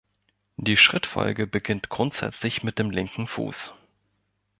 Die Schrittfolge beginnt grundsätzlich mit dem linken Fuß.